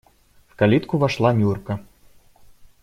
В калитку вошла Нюрка.